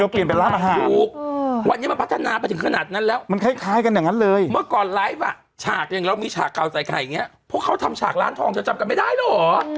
คนละแบบเลยผมว่าไอเนี้ยไอเนี้ยไอเนี้ยหนักกว่ามันเป็นมันเป็น